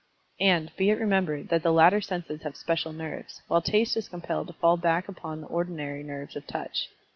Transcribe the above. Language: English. And, be it remembered, that the latter senses have special nerves, while Taste is compelled to fall back upon the ordinary nerves of Touch.